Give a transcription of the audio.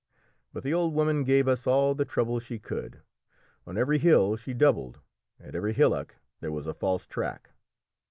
But the old woman gave us all the trouble she could; on every hill she doubled, at every hillock there was a false track.